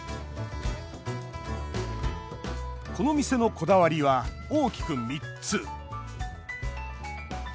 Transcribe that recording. この店のこだわりは大きく３つ。